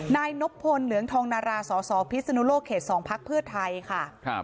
นายนบพลเหลืองทองนาราสอสอพิศนุโลกเขต๒พักเพื่อไทยค่ะ